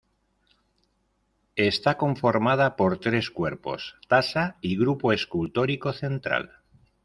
Está conformada por tres cuerpos, tasa y grupo escultórico central.